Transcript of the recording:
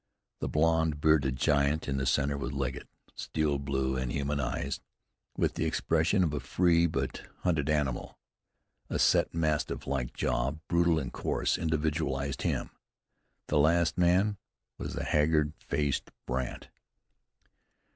The blond bearded giant in the center was Legget. Steel blue, inhuman eyes, with the expression of a free but hunted animal; a set, mastiff like jaw, brutal and coarse, individualized him. The last man was the haggard faced Brandt.